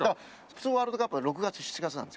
普通ワールドカップは６月７月なんですよ。